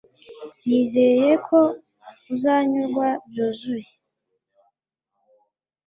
Nizeye ko uzanyurwa byuzuye